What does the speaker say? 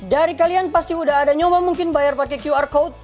dari kalian pasti udah ada nyoba mungkin bayar pakai qr code